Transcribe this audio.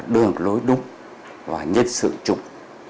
đường lối đúng và nhân sự trục